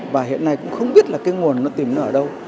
và hiện nay cũng không biết là cái nguồn nó tìm nó ở đâu